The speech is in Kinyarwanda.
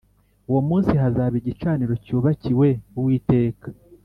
Uwo munsi hazaba igicaniro cyubakiwe Uwiteka